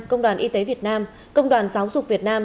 công đoàn y tế việt nam công đoàn giáo dục việt nam